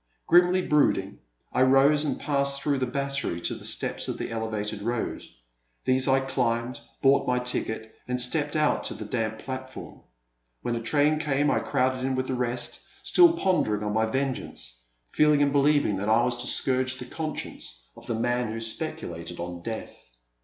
Grimly brooding, I rose and passed through the Battery to the steps of the Elevated Road. These I climbed, bought my ticket, and stepped out to the damp platform. When a train came I crowded in with the rest, still pondering on my n A Pleasant Evening. 341 vengeance, feeling and believing that I was to scourge the conscience of the man who speculated on death.